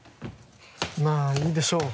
まぁいいでしょう。